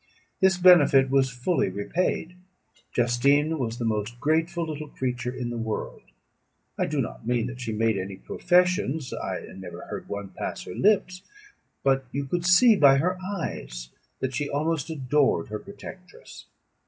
This benefit was fully repaid; Justine was the most grateful little creature in the world: I do not mean that she made any professions; I never heard one pass her lips; but you could see by her eyes that she almost adored her protectress.